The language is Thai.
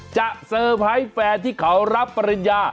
เซอร์ไพรส์แฟนที่เขารับปริญญา